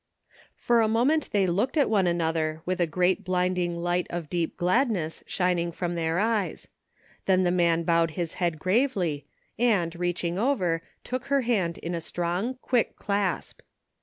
For a moment they looked at one another with a great blinding light of deep gladness shining from their eyes ; then the man bowed his head gravely and, reach ing over, took her hand in a strong, quick dasp.